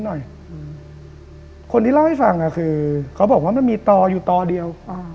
หน่อยอืมคนที่เล่าให้ฟังอ่ะคือเขาบอกว่ามันมีต่ออยู่ต่อเดียวอ่า